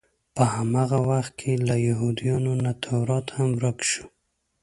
په هماغه وخت کې له یهودانو نه تورات هم ورک شو.